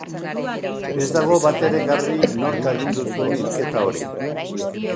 Ez dago batere garbi nork agindu zuen hilketa hori.